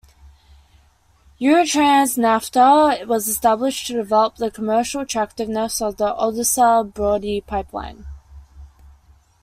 UkrTransNafta was established to develop the commercial attractiveness of the Odessa-Brody pipeline.